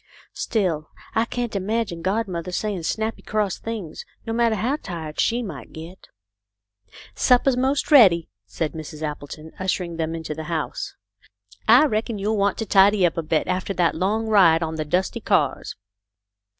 " Still I can't imagine godmother saying snappy cross things, no matter how tired she might get." " Supper's most ready," said Mrs. Appleton, usher ing them into the house. " I reckon you'll want to tidy up a bit after that long ride on the dusty cars.